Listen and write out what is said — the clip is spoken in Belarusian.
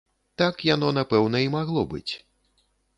Так яно, напэўна, і магло быць.